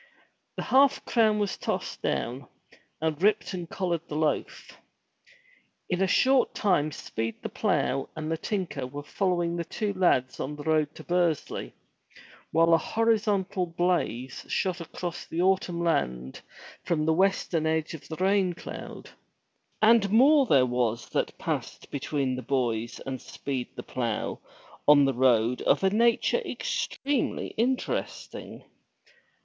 The half crown was tossed down, and Ripton collared the loaf. In a short time Speed the Plough and the tinker were follow ing the two lads on the road to Bursley, while a horizontal blaze shot across the autumn land from the western edge of the rain cloud. And more there was that passed between the boys and Speed the Plough on the road of a nature extremely interesting.